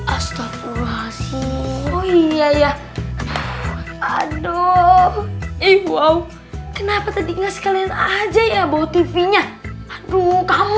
astagfirullahaladzim iya iya aduh iwow kenapa tadi ngasih kalian aja ya bawa tv nya aduh kamu